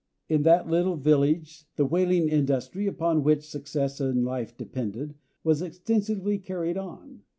In that little village the whaling industry, upon which success in life depended, was extensively carried on.